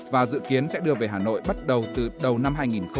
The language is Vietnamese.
và dự kiến sẽ đưa về hà nội bắt đầu từ đầu năm hai nghìn hai mươi